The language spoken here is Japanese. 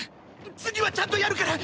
次はちゃんとやるから！